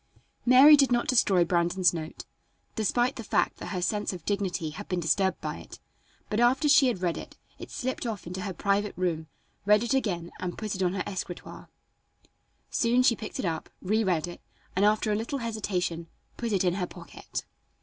Mary did not destroy Brandon's note, despite the fact that her sense of dignity had been disturbed by it, but after she had read it slipped off into her private room, read it again and put it on her escritoire. Soon she picked it up, reread it, and, after a little hesitation, put it in her pocket.